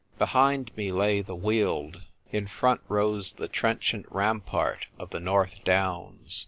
Behind me lay the Weald ; in front rose the trenchant ram part of the North Downs.